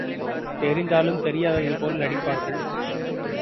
தெரிந்தாலும் தெரியாததுபோல் நடிப்பார்கள்.